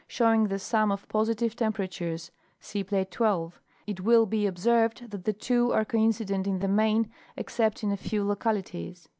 showing the sum of positive temperatures (see plate 12), it will be observed that the two are coincident in the main except in a few localities.